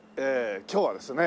今日はですね